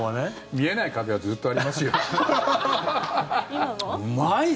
見えない壁はずっとあります。